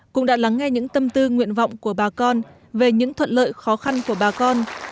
cũng đã lắng nghe những tâm tư nguyện vọng của bà con về những thuận lợi khó khăn của bà con